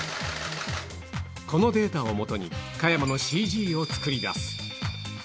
このデータを基に、加山のＣＧを作り出す。